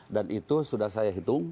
dan itu sudah saya hitung